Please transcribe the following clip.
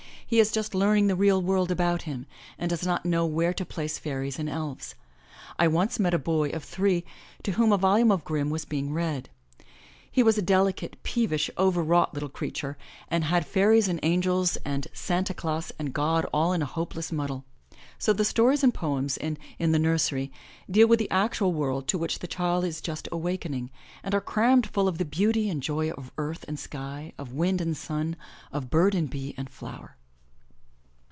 He is just learning the real world about him, and does not know where to place fairies and elves. I once met a little boy of three to whom a volume of Grimm was being read. He was a delicate, peevish, over wrought little creature and had fairies and angels and Santa Glaus and God all in a hopeless muddle. So the stories and poems in In the Nursery deal with the actual world to which the child is just awakening, and are crammed full of the beauty and joy of earth and sky, of wind and sun, of bird and bee and flower.